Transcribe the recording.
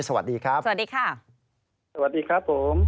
สวัสดีครับสวัสดีค่ะสวัสดีครับผม